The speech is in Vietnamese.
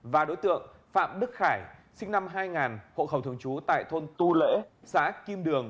và đối tượng phạm đức khải sinh năm hai nghìn hộ khẩu thường trú tại thôn tu lỡ xã kim đường